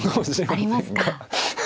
ありますか。